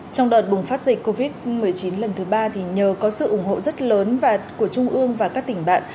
trong đợt bùng phát dịch covid một mươi chín lần thứ ba nhờ có sự ủng hộ rất lớn và của trung ương và các tỉnh bạn